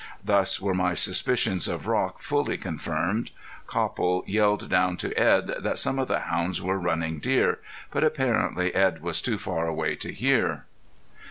Thus were my suspicions of Rock fully confirmed. Copple yelled down to Edd that some of the hounds were running deer, but apparently Edd was too far away to hear.